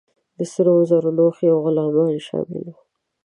د سرو زرو لوښي او غلامان شامل وه.